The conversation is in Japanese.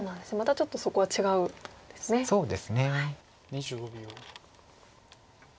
２５秒。